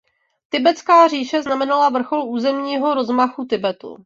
Tibetská říše znamenala vrchol územního rozmachu Tibetu.